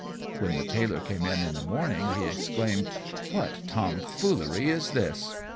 When the Tailor came in, in the morning, he exclaimed, "What tomfoolery is this?"